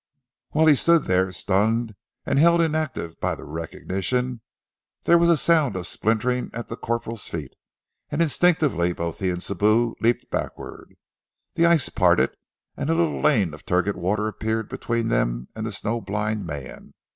Whilst he stood there, stunned, and held inactive by the recognition, there was a sound of splintering at the corporal's feet, and instinctively both he and Sibou leaped backward. The ice parted, and a little lane of turgid water appeared between them and the snow blind man.